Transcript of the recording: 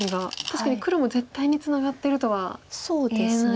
確かに黒も絶対にツナがってるとは言えない形ですか。